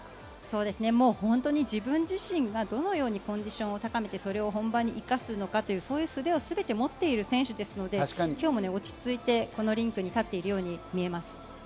自分自身がどのようにコンディションを高めてそれを本番に生かすのかという、そういう術をすべて持っている選手ですので、今日も落ち着いてリンクに立っているように見えます。